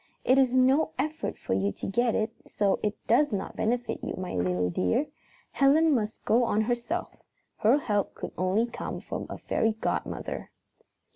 It is no effort for you to get it, so it does not benefit you, my little dear. Helen must go on herself. Her help could only come from a fairy godmother."